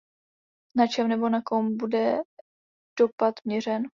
Na čem nebo na kom bude dopad měřen?